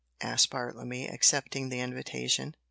asked Bartlemy, accepting the invitation.